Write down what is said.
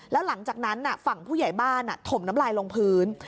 แล้วหลังจากนั้นฝั่งผู้ใหญ่บ้านถมน้ำลายลงพื้น